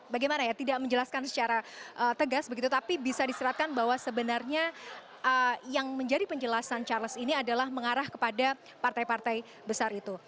bagaimana ya tidak menjelaskan secara tegas begitu tapi bisa diseratkan bahwa sebenarnya yang menjadi penjelasan charles ini adalah mengarah kepada partai partai besar itu